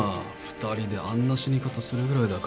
２人であんな死に方するぐらいだから。